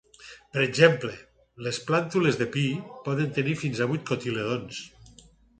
Per exemple, les plàntules de pi poden tenir fins a vuit cotilèdons.